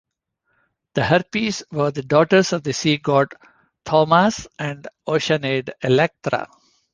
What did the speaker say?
The Harpies were the daughters of the sea god Thaumas and the Oceanid Electra.